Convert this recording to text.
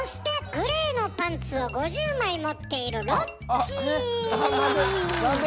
グレーのパンツを５０枚持っているなんで？